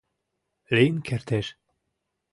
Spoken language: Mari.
— Лийын кертеш...